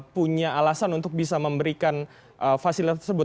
punya alasan untuk bisa memberikan fasilitas tersebut